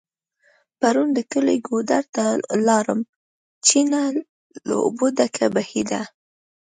پرون د کلي ګودر ته لاړم .چينه له اوبو ډکه بهيده